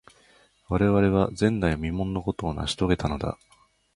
我々は、前代未聞のことを成し遂げたのだ。